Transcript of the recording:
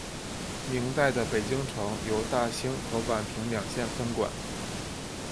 明代的北京城由大兴和宛平两县分管。